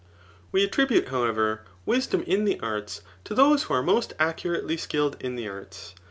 We attribute, however, wisdom in the arts, to those who are most accurately skilled in the arts.